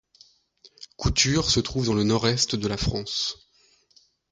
Coutures se trouve dans le nord-est de la France.